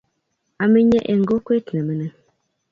aminye eng kokwee ne mining.